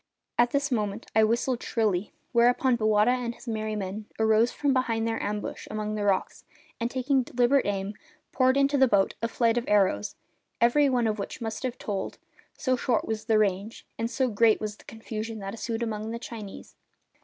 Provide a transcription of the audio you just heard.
At this moment I whistled shrilly, whereupon Bowata and his merry men arose from behind their ambush among the rocks and, taking deliberate aim, poured into the boats a flight of arrows, every one of which must have told, so short was the range, and so great was the confusion that ensued among the Chinese.